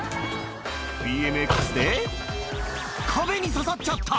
ＢＭＸで壁に刺さっちゃった！